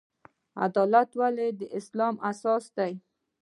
عدالت ولې د اسلام اساس دی؟